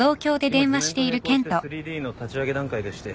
今図面と並行して３Ｄの立ち上げ段階でして。